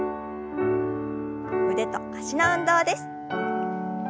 腕と脚の運動です。